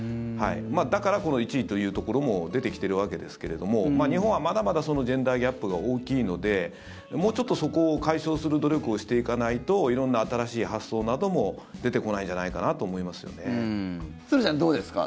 だから１位というところも出てきているわけですけれども日本はまだまだ、ジェンダー・ギャップが大きいのでもうちょっとそこを解消する努力をしていかないと色んな新しい発想なども出てこないんじゃないかなとすずちゃん、どうですか？